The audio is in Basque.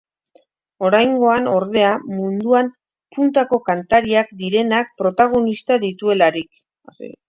Oraingoan, ordea, munduan puntako kantariak direnak protagonista dituelarik.